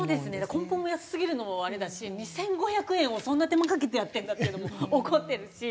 根本が安すぎるのもあれだし２５００円をそんな手間かけてやってるんだっていうのも怒ってるし。